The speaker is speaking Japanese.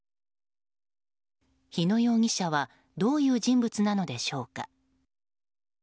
日野容疑者はどういう人物なのでしょうか。